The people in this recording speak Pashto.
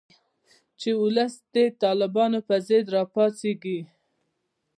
چې ولس د طالبانو په ضد راپاڅیږي